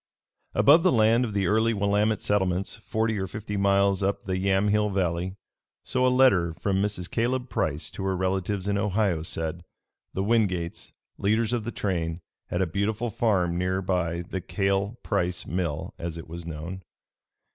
Above the land of the early Willamette settlements forty or fifty miles up the Yamhill Valley, so a letter from Mrs. Caleb Price to her relatives in Ohio said, the Wingates, leaders of the train, had a beautiful farm, near by the Cale Price Mill, as it was known.